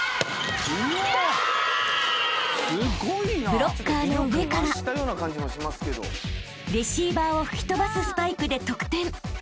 ［ブロッカーの上からレシーバーを吹き飛ばすスパイクで得点］